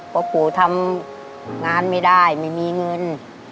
เพราะปู่ทำงานไม่ได้ไม่มีเงิน